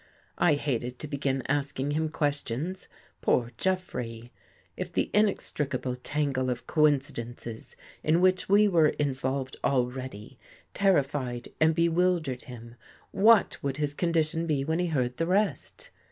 I hated to begin asking him questions. Poor Jeffrey ! If the inextricable tangle of coincidences in which we were involved already, terrified and be wildered him, what would his condition be when he heard the rest?